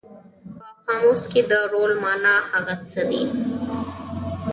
په قاموس کې د رول مانا هغه څه دي.